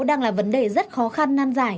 đang là vấn đề rất khó khăn nan giải